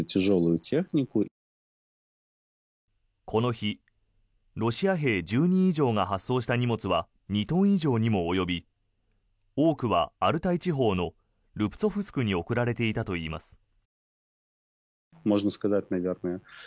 この日、ロシア兵１０人以上が発送した荷物は２トン以上にも及び多くはアルタイ地方のルプツォフスクに送られていたといいます。